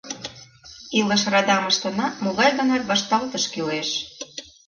Илыш радамыштына могай-гынат вашталтыш кӱлеш.